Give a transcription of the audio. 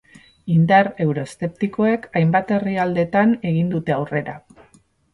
Indar euroeszeptikoek hainbat herrialdetan egin dute aurrera.